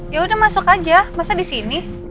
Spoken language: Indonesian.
ya udah masuk aja masa di sini